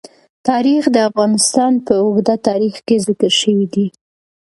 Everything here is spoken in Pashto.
تاریخ د افغانستان په اوږده تاریخ کې ذکر شوی دی.